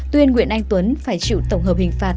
tuyên nguyễn anh tuấn phải chịu tổng hợp hình phạt